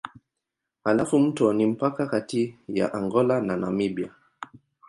Halafu mto ni mpaka kati ya Angola na Namibia.